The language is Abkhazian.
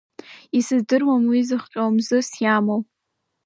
Исыздыруам уи зыхҟьо, мзызс иамоу.